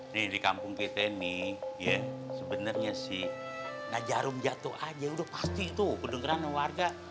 nih di kampung kita ini sebenarnya sih nah jarum jatuh aja udah pasti tuh beneran warga